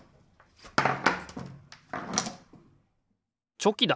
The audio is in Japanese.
チョキだ！